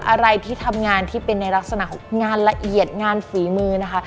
อะไรที่ทำงานที่เป็นในลักษณะของงานละเอียดงานฝีมือนะคะ